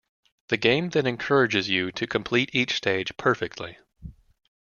The game then encourages you to complete each stage "perfectly".